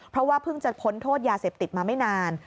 เพราะว่าเพิ่งจะพ้นโทษยาเสพติดมาไม่นาน